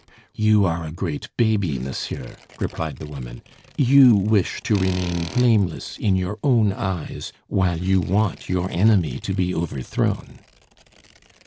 "You are a great baby, monsieur," replied the woman; "you wish to remain blameless in your own eyes, while you want your enemy to be overthrown."